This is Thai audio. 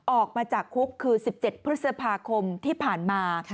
ออกมาจากคุกคือ๑๗พฤษภาคมที่ผ่านมา